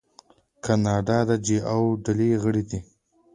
کاناډا د جي اوه ډلې غړی دی.